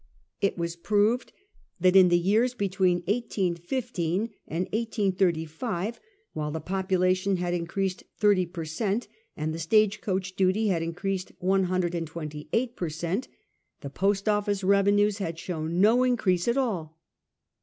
It was proved that in the years between 1815 and 1835, while the population had increased thirty per cent., and the stage coach duty had increased one hundred and twenty eight per cent., the post office revenues had shown no increase at all.